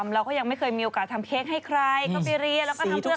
เราก็ยังไม่เคยมีโอกาสทำเค้กให้ใครเข้าไปเรียนแล้วก็ทำเพื่อ